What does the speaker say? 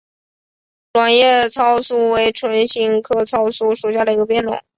卵叶糙苏为唇形科糙苏属下的一个变种。